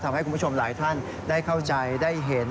คุณผู้ชมหลายท่านได้เข้าใจได้เห็น